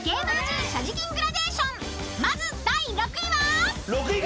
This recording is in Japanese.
［まず第６位は？］